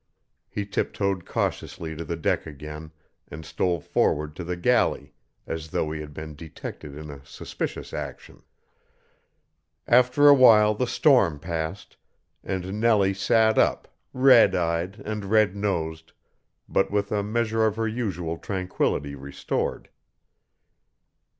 He tiptoed cautiously to the deck again and stole forward to the galley as though he had been detected in a suspicious action. After a while the storm passed, and Nellie sat up, red eyed and red nosed, but with a measure of her usual tranquillity restored.